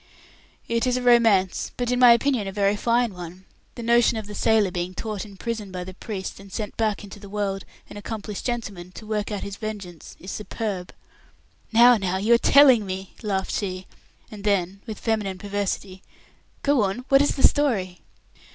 "It is a romance, but, in my opinion, a very fine one. The notion of the sailor being taught in prison by the priest, and sent back into the world an accomplished gentleman, to work out his vengeance, is superb." "No, now you are telling me," laughed she; and then, with feminine perversity, "Go on, what is the story?"